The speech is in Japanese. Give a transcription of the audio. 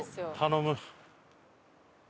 頼む。